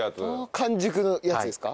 完熟のやつですか？